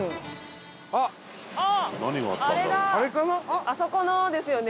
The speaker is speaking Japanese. うん。あそこのですよね